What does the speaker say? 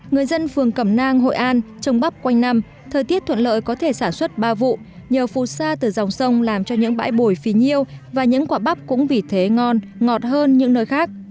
người dân phường cẩm nang hội an trồng bắp quanh năm thời tiết thuận lợi có thể sản xuất ba vụ nhờ phù sa từ dòng sông làm cho những bãi bồi phí nhiêu và những quả bắp cũng vì thế ngon ngọt hơn những nơi khác